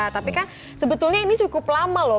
tapi kan sebetulnya ini cukup lama loh